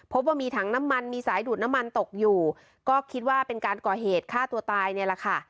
พบว่ามีถังน้ำมันมีสายดูดน้ำมันตกอยู่ก็คิดว่าเป็นการก่อเหตุฆ่าตัวตายเนี่ยแหละค่ะ